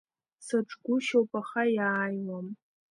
Саҿгәышьоуп, аха иааиуам.